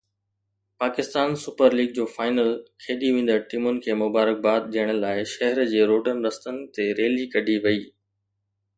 Pakistan super league جو final کيڏي ويندڙ ٽيمن کي مبارڪباد ڏيڻ لاءِ شهر جي روڊن رستن تي ريلي ڪڍي وئي